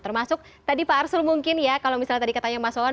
termasuk tadi pak arsul mungkin ya kalau misalnya tadi katanya mas wawan